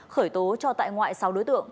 khởi tố cho tại ngoại sáu đối tượng